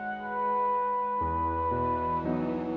yaudah kita masuk yuk